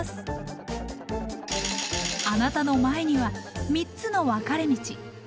あなたの前には３つのわかれ道。